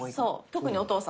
特にお父さん。